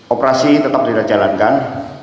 operasi tetap tidak jalankan